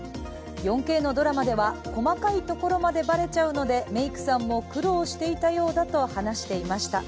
４Ｋのドラマでは細かいところまでバレちゃうのでメークさんも苦労していたようだと話していました。